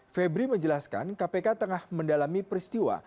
febri menjelaskan kpk tengah mendalami peristiwa